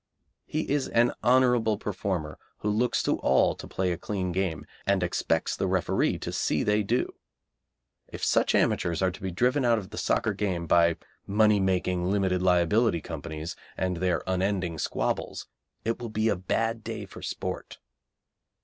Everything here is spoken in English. He is an honourable performer, who looks to all to play a clean game, and expects the referee to see they do. If such amateurs are to be driven out of the Soccer game by "money making limited liability companies" and their unending squabbles, it will be a bad day for sport.